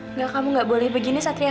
enggak kamu nggak boleh begini satria